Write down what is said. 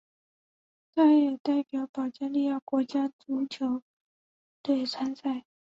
他也代表保加利亚国家足球队参赛。